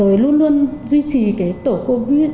rồi luôn luôn duy trì tổ công